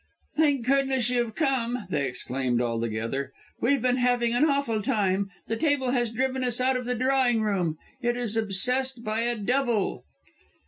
"Thank goodness, you've come!" they exclaimed, all together. "We've been having an awful time. The table has driven us out of the drawing room it is obsessed by a devil."